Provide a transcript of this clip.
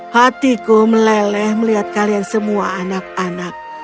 hatiku meleleh melihat kalian semua anak anak